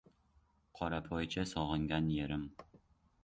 Qorapoycha — sog‘ingan yerim.